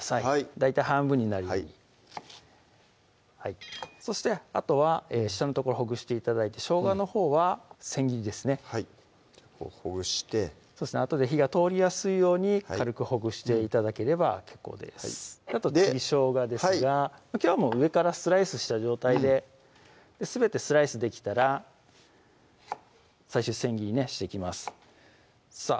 大体半分になるようにそしてあとは下の所ほぐして頂いてしょうがのほうは千切りですねはいほぐしてあとで火が通りやすいように軽くほぐして頂ければ結構ですあと次しょうがですがきょうは上からスライスした状態ですべてスライスできたら最終千切りにねしていきますさぁ